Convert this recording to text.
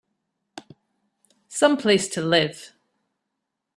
Some place to live!